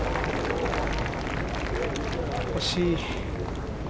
惜しい。